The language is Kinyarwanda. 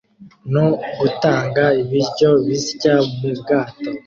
no gutanga ibiryo bisya mu bwato